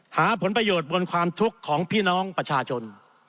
หาผลประโยชน์บนความทุกข์ของพี่น้องประชาชน